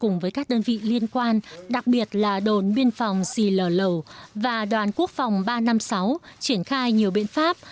cùng với các đơn vị liên quan đặc biệt là đồn biên phòng xì lờ lẩu và đoàn quốc phòng ba trăm năm mươi sáu triển khai nhiều biện pháp